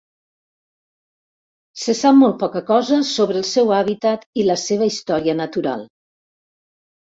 Se sap molt poca cosa sobre el seu hàbitat i la seva història natural.